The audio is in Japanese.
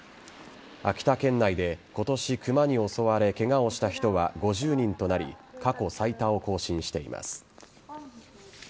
秋田県内で、今年クマに襲われケガをした人は５０人となり過去最多を更新しています。